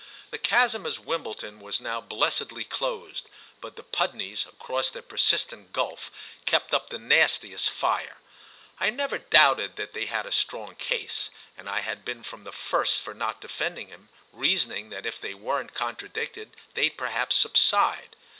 The chasm at Wimbledon was now blessedly closed; but the Pudneys, across their persistent gulf, kept up the nastiest fire. I never doubted they had a strong case, and I had been from the first for not defending him—reasoning that if they weren't contradicted they'd perhaps subside.